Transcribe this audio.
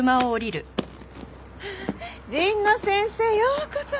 神野先生ようこそ。